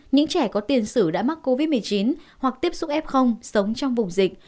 những trẻ có tiền sử đã mắc covid một mươi chín hoặc tiếp xúc f sống trong vùng dịch